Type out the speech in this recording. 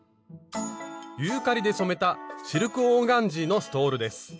ユーカリで染めたシルクオーガンジーのストールです。